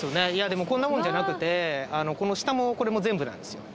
でもこんなもんじゃなくてこの下もこれも全部なんですよ